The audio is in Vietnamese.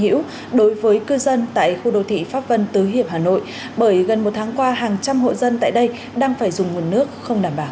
nhiều người không hiểu đối với cư dân tại khu đô thị pháp vân tứ hiệp hà nội bởi gần một tháng qua hàng trăm hộ dân tại đây đang phải dùng nguồn nước không đảm bảo